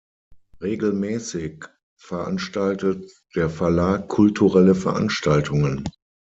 Regelmäßig veranstaltet der Verlag kulturelle Veranstaltungen.